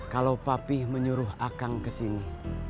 kalau papih menyuruh akang kesini